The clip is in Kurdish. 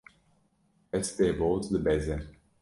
Hespê boz dibeze.